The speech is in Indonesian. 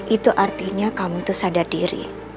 itu artinya kamu itu sadar diri